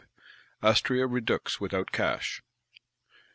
Astræa Redux without Cash.